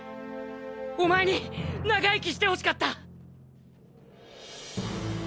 お前に長生きしてほしかった！